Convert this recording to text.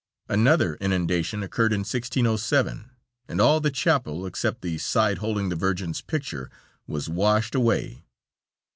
Another inundation occurred in 1607, and all the chapel, except the side holding the Virgin's picture, was washed away.